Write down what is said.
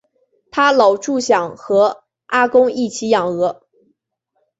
她老著想和阿公一起养鹅